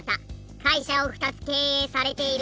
会社を２つ経営されているようで。